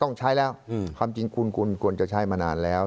ต้องใช้แล้วความจริงคุณควรจะใช้มานานแล้ว